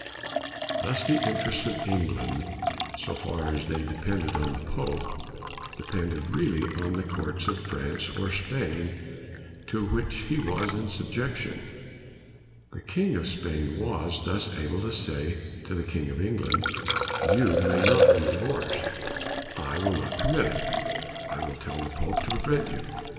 Thus the interests of England, so far as they depended on the pope, depended really on the courts of France or Spain to which he was in subjection. The king of Spain was thus able to say to the king of England, " You may not be divorced. I will not permit it. I will tell the pope to prevent you.''